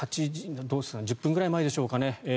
１０分ぐらい前でしょうかね。